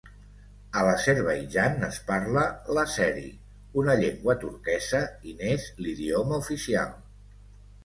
A l'Azerbaidjan es parla l'àzeri, una llengua turquesa, i n'és l'idioma oficial.